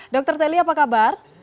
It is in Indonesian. dr telly apa kabar